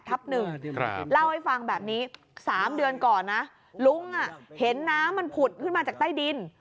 เล่าให้ฟังแบบนี้๓เดือนก่อนนะลุงเห็นน้ำมันผุดขึ้นมาจากใต้ดิน